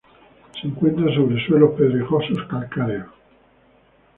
Se encuentra sobre suelos pedregosos calcáreos.